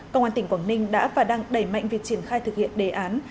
công an tỉnh quảng ninh đã và đang đẩy mạnh việc triển khai thực hiện đề án